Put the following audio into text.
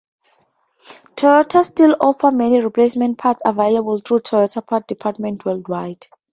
Toyota still offers many replacement parts, available through Toyota parts departments worldwide.